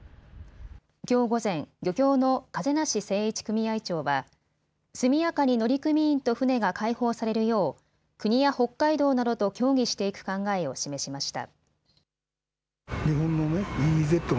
きょう午前、漁協の風無成一組合長は速やかに乗組員と船が解放されるよう国や北海道などと協議していく考えを示しました。